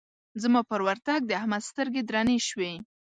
زما پر ورتګ د احمد سترګې درنې شوې.